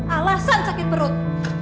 alasan sakit perut